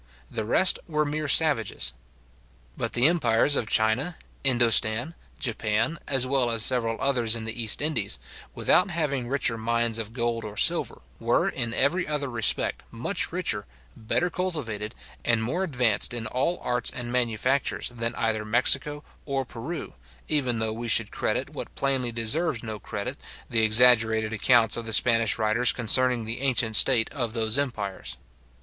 The rest were mere savages. But the empires of China, Indostan, Japan, as well as several others in the East Indies, without having richer mines of gold or silver, were, in every other respect, much richer, better cultivated, and more advanced in all arts and manufactures, than either Mexico or Peru, even though we should credit, what plainly deserves no credit, the exaggerated accounts of the Spanish writers concerning the ancient state of those empires.